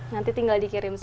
nanti tinggal dikirim saja ya